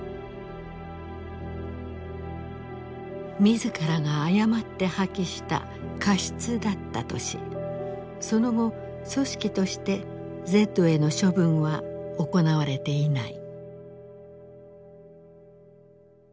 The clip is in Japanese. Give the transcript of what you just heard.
自らが誤って破棄した過失だったとしその後組織としてＺへの処分は行われていない。